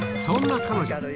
そんな彼女